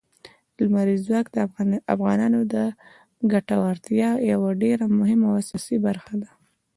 لمریز ځواک د افغانانو د ګټورتیا یوه ډېره مهمه او اساسي برخه ده.